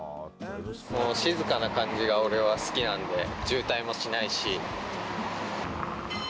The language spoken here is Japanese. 静かな感じが俺は好きなんで、渋滞もしないし。